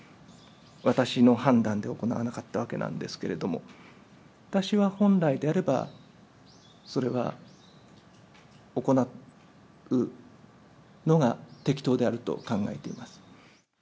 私の判断で行わなかったわけなんですけれども、私は本来であれば、それは行うのが適当であると考えています。